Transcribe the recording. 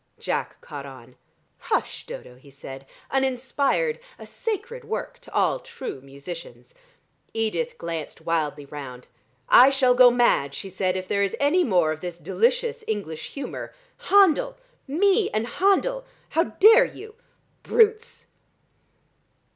Jack caught on. "Hush, Dodo," he said, "an inspired, a sacred work to all true musicians." Edith glanced wildly round. "I shall go mad," she said, "if there is any more of this delicious English humour. Handel! Me and Handel! How dare you? Brutes!"